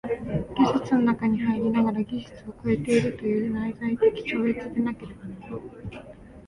技術の中に入りながら技術を超えているという内在的超越でなければならぬ。